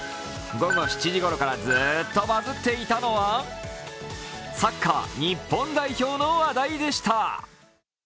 午後７時頃からずっとバズっていたのは、サッカー日本代表の話題でした。